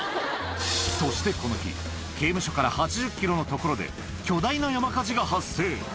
そしてこの日、刑務所から８０キロの所で、巨大な山火事が発生。